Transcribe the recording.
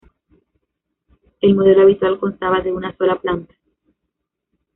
El modelo habitual constaba de una sola planta.